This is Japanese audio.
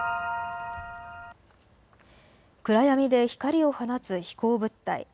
暗闇で光を放つ飛行物体。